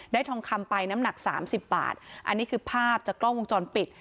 ทองคำไปน้ำหนักสามสิบบาทอันนี้คือภาพจากกล้องวงจรปิด